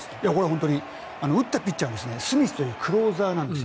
打ったピッチャーはスミスというクローザーなんです。